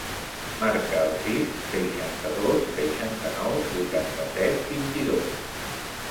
Marca el sis, seixanta-dos, seixanta-nou, vuitanta-set, vint-i-dos.